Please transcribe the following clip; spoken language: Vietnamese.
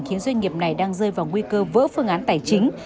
khiến doanh nghiệp này đang rơi vào nguy cơ vỡ phương án tài chính